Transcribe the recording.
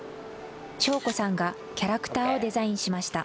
晶子さんがキャラクターをデザインしました。